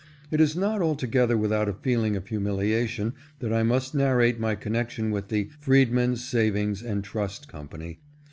It is not altogether without a feeling of humiliation that I must narrate my connection with the " Freedmen's Savings and Trust Company."